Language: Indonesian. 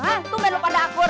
tuh mbak yang pada akur